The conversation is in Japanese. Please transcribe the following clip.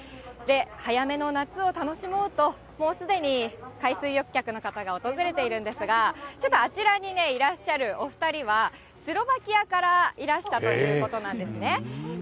早めの夏を楽しもうと、もうすでに海水浴客の方が訪れているんですが、ちょっとあちらにいらっしゃるお２人は、スロバキアからいらしたということなんですね。